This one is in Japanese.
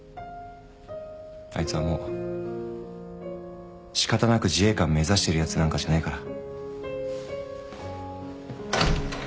あいつはもう仕方なく自衛官目指してるやつなんかじゃねえから。